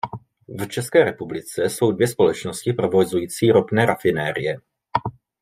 V České republice jsou dvě společnosti provozující ropné rafinérie.